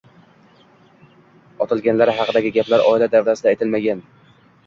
Otilganlari haqidagi gaplar oila davrasida aytilmagan.